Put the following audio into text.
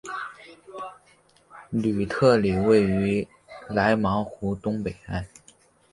吕特里位于莱芒湖东北岸。